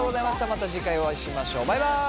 また次回お会いしましょうバイバイ。